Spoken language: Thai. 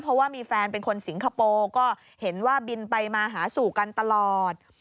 เพราะว่ามีแฟนเป็นคนสิงคโปร์ก็เห็นว่าบินไปมาหาสู่กันตลอด